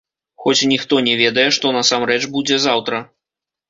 Хоць ніхто не ведае, што насамрэч будзе заўтра.